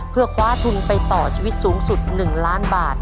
เพื่อคว้าทุนไปต่อชีวิตสูงสุด๑ล้านบาท